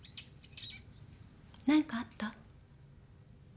何かあった？